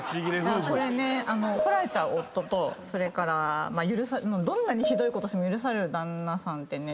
これね怒られちゃう夫とそれからどんなにひどいことしても許される旦那さんってね